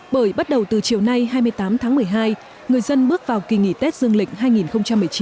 bởi bắt đầu từ chiều nay hai mươi tám tháng một mươi hai người dân bước vào kỳ nghỉ tết dương lịch hai nghìn một mươi chín